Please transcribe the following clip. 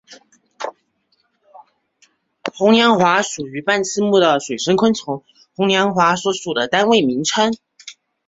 红娘华属属于半翅目的水生昆虫红娘华所属的单位名称。